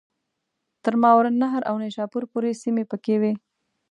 تر ماوراءالنهر او نیشاپور پوري سیمي پکښي وې.